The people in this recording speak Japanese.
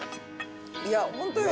いやホントよ。